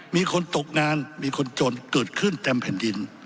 มีคนตกงานมีคนจนเกิดขึ้นเต็มแผ่นดิน